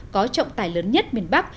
có trọng tài lớn nhất miền bắc